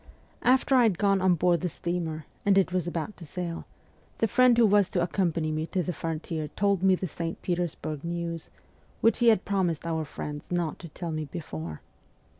THE ESCAPE 179 After I had gone on board the steamer, and it was about to sail, the friend who was to accompany me to the frontier told me the St. Petersburg news, which he had promised our friends not to tell me before.